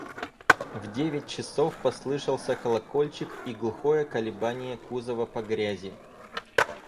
В девять часов послышался колокольчик и глухое колебание кузова по грязи.